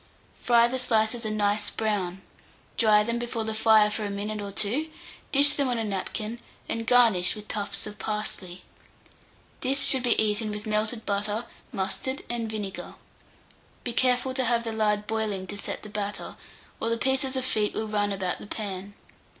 Fry the slices a nice brown, dry them before the fire for a minute or two, dish them on a napkin, and garnish with tufts of parsley. This should be eaten with melted butter, mustard, and vinegar. Be careful to have the lard boiling to set the batter, or the pieces of feet will run about the pan.